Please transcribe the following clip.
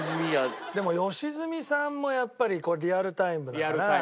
でも良純さんもやっぱりリアルタイムだから。